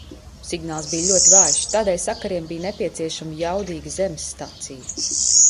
Signāls bija ļoti vājš, tādēļ sakariem bija nepieciešama jaudīga zemes stacija.